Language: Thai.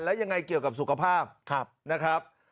แล้วยังไงเกี่ยวกับสุขภาพนะครับ